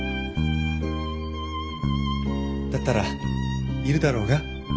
だったらいるだろうが適任者。